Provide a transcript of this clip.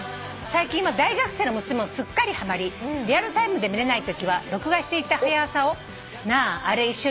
最近は大学生の娘もすっかりはまりリアルタイムで見れないときは録画していた『はや朝』を『なああれ一緒に見ようや』」